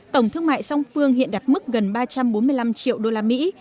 tổng thương mại song phương hiện đạt mức gần ba trăm bốn mươi năm triệu đô la mỹ